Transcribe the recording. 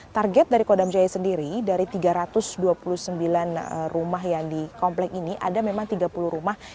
target dari kodam jaya sendiri dari tiga ratus dua puluh sembilan rumah yang di komplek ini ada memang tiga puluh rumah